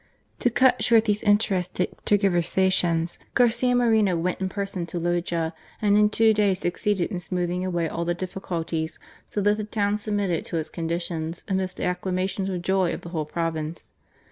To cut short these interested ter giversations, Garcia Moreno went in person to Loja, and in two days succeeded in smoothing away all difficulties, so that the town submitted to his con ditions amidst the acclamations of joy of the whole province.